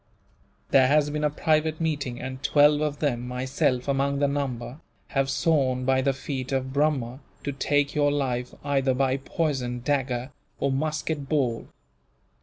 There has been a private meeting, and twelve of them, myself among the number, have sworn by the feet of Brahma to take your life, either by poison, dagger, or musket ball."